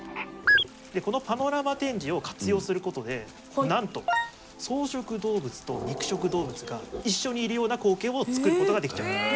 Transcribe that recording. このパノラマ展示を活用することでなんと草食動物と肉食動物が一緒にいるような光景を作ることができちゃいます。